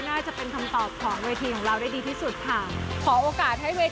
น่าจะเป็นคำตอบของเวทีของเราได้ดีที่สุดค่ะ